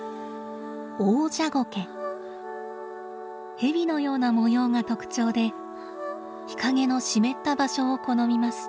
ヘビのような模様が特徴で日陰の湿った場所を好みます。